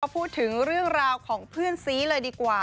พูดถึงเรื่องราวของเพื่อนซีเลยดีกว่า